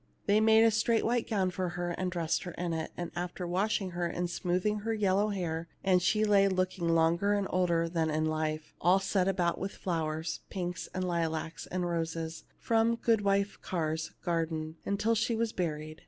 They made a straight white gown for her, and ^ 251 THE LITTLE MAID AT THE DOOR dressed her in it, after washing her and smooth ing her yellow hair ; and she lay, looking longer and older than in life, all set about with flowers ŌĆö pinks and lilacs and roses ŌĆö from Goodwife Carr's garden, until she was buried.